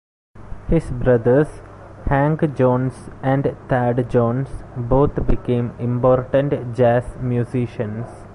His brothers, Hank Jones and Thad Jones, both became important jazz musicians.